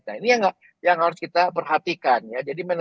nah ini yang harus kita perhatikan ya